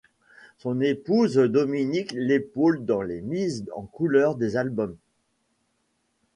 Son épouse Dominique l'épaule dans les mises en couleurs des albums.